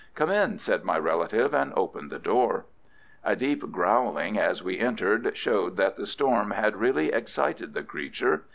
"Come in!" said my relative, and opened the door. A deep growling as we entered showed that the storm had really excited the creature.